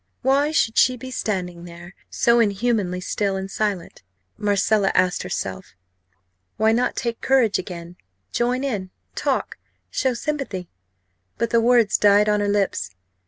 Why should she be standing there, so inhumanly still and silent? Marcella asked herself. Why not take courage again join in talk show sympathy? But the words died on her lips.